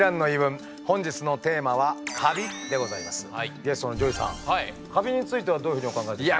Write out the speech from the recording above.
ゲストのＪＯＹさんカビについてはどういうふうにお考えですか？